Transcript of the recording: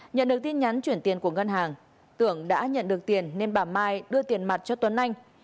nhận được tin nhắn chuyển tiền của ngân hàng tưởng đã nhận được tiền nên bà mai đưa tiền mặt cho tuấn anh